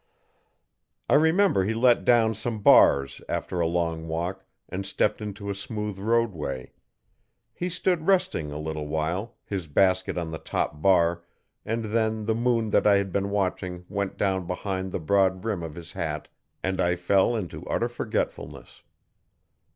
I remember he let down some bars after a long walk and stepped into a smooth roadway. He stood resting a little while, his basket on the top bar, and then the moon that I had been watching went down behind the broad rim of his hat and I fell into utter forgetfulness.